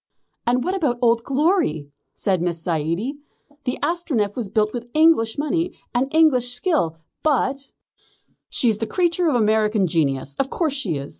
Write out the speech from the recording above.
"And what about Old Glory?" said Miss Zaidie. "The Astronef was built with English money and English skill, but " "She is the creature of American genius. Of course she is.